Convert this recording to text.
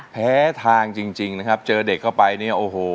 แพ้ทางจริงนะครับเจอเด็กเข้าไปเนี่ยโอ้โห